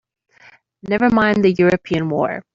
Never mind the European war!